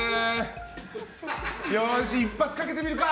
一発かけてみるか。